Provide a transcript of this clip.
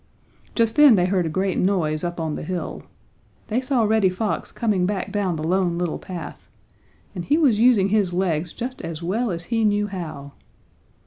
Just then they heard a great noise up on the hill. They saw Reddy Fox coming back down the Lone Little Path, and he was using his legs just as well as he knew how.